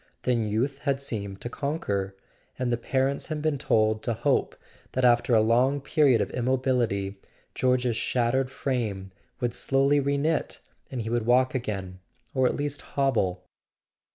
Then youth had seemed to conquer, and the parents had been told to hope that after a long period of immobility George's shattered frame would slowly re knit, and he would walk again —or at least hobble.